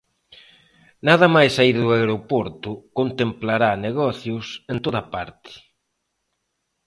Nada mais saír do aeroporto contemplará negocios en toda parte.